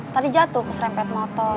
tadi jatuh terus rempet motor